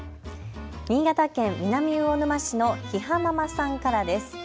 新潟県南魚沼市のひはママさんからです。